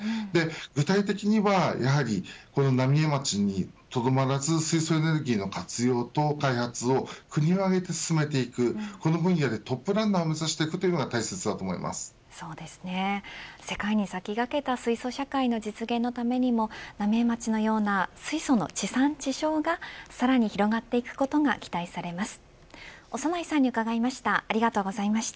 具体的には浪江町にとどまらず水素エネルギーの活用と開発を国をあげて進めていくこの分野のトップランナーを目指していくのが世界に先駆けた水素社会の実現のためにも浪江町のような水素の地産地消がさらに広がっていくことが期待されます。